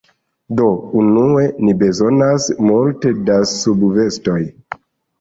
Do, unue ni bezonas multe da subvestoj